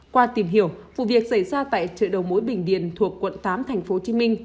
qua tìm hiểu vụ việc xảy ra tại chợ đầu mối bình điền thuộc quận tám tp hcm